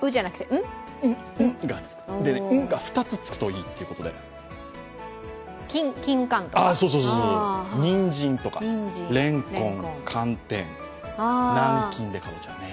「ん」が２つつくといいということでそうそう、にんじんとかれんこん寒天なんきんで、かぼちゃ。